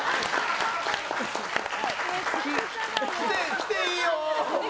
来ていいよー！